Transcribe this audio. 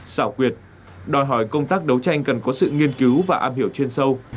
xảo quyệt đòi hỏi công tác đấu tranh cần có sự nghiên cứu và am hiểu chuyên sâu